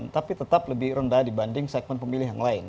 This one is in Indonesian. tapi tetap lebih rendah dibanding segmen pemilih yang lain